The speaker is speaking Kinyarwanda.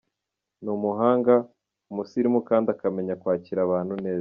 Ni umuhanga, umusirimu kandi akamenya kwakira abantu neza.